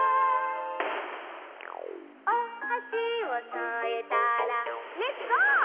「おはしをそえたらレッツゴー！